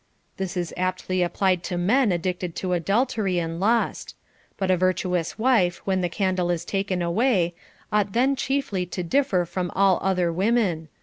This is aptly applied to men addicted to adul tery and lust. But a virtuous wife, w7hen the candle is taken away, ought then chiefly to differ from all other women.